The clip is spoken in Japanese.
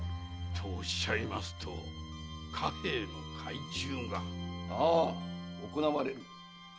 とおっしゃいますと貨幣の改鋳が？ああ行われる！